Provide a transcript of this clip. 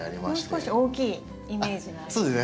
もう少し大きいイメージがあります。